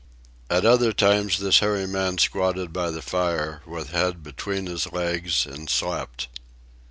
At other times this hairy man squatted by the fire with head between his legs and slept.